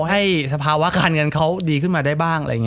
ให้สภาวะการเงินเขาดีขึ้นมาได้บ้าง